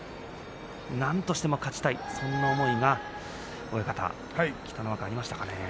なんとしても勝ちたいその思いが北の若、ありましたかね。